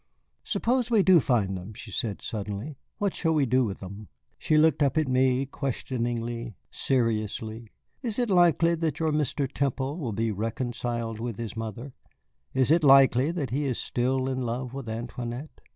"Suppose we do find them," she said suddenly. "What shall we do with them?" She looked up at me questioningly, seriously. "Is it likely that your Mr. Temple will be reconciled with his mother? Is it likely that he is still in love with Antoinette?"